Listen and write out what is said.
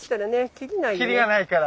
キリがないから。